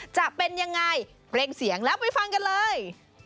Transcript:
จะเป็นยังไงเร่งเสียงแล้วไปฟังกันเลย